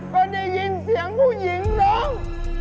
ก็ได้ยินเสียงผู้หญิงร้อง